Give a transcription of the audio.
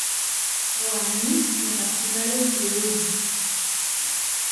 Waní metačinare kuú.